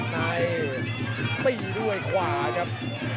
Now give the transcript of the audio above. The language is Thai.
ในตีด้วยขวาครับ